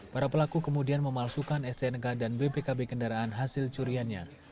para pelaku kemudian memalsukan stnk dan bpkb kendaraan hasil curiannya